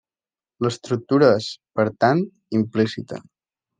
L'estructura és, per tant, implícita.